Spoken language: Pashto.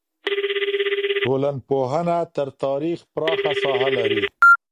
ټولنپوهنه تر تاریخ پراخه ساحه لري.